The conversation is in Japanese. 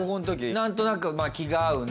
なんとなく気が合うな。